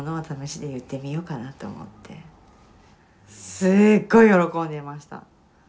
すっごい喜んでました。